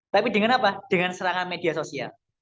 tapi dengan apa dengan serangan media sosial